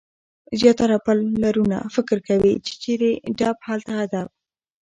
زیاتره پلرونه فکر کوي، چي چيري ډب هلته ادب.